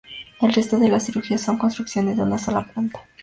El resto de las crujías son construcciones de una sola planta.